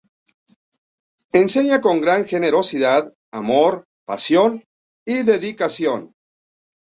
Enseña con gran generosidad, amor, pasión y dedicación.